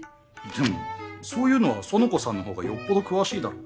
でもそういうのは苑子さんの方がよっぽど詳しいだろ。